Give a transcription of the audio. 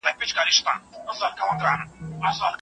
زه اوس مځکي ته ګورم.